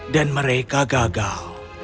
dan mereka gagal